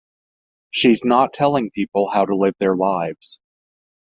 She's not telling people how to live their lives.